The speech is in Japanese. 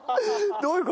どういう事？